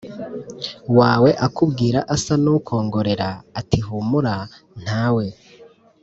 Wawe akubwira asa n ukongorera ati humura nta we